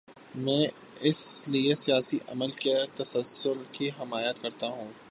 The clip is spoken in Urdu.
میں اسی لیے سیاسی عمل کے تسلسل کی حمایت کرتا ہوں۔